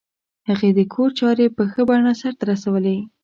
هغې د کور چارې په ښه بڼه سرته رسولې